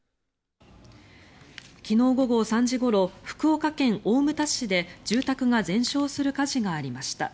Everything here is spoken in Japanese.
昨日午後３時ごろ福岡県大牟田市で住宅が全焼する火事がありました。